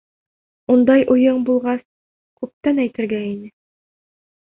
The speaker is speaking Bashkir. Ундай уйың булғас, күптән әйтергә ине.